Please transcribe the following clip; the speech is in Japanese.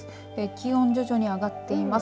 気温、徐々に上がっています。